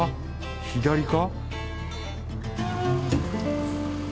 左か？